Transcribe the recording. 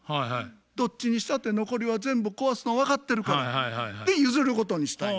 どっちにしたって残りは全部壊すの分かってるから」って譲ることにしたんや。